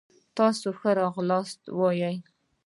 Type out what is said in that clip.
تاسي ته ښه را غلاست وايو